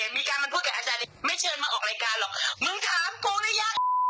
ไม่เชิญมาออกรายการหรอกมึงถามโครงละยะ